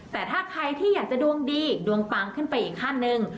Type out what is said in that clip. แต่ถ้าใครที่อยากจะดวงดีดวงปังขึ้นไปอีกขั้นหนึ่ง